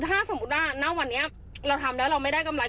ถ้าสมมุติว่าณวันนี้เราทำแล้วเราไม่ได้กำไร